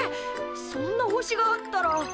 そんな星があったら。